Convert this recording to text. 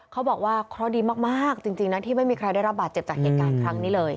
เขาบอกว่าเคราะห์ดีมากจริงนะที่ไม่มีใครได้รับบาดเจ็บจากเหตุการณ์ครั้งนี้เลย